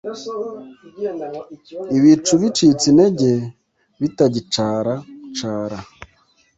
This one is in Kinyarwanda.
Ibicu bicitse intege bitagicaracara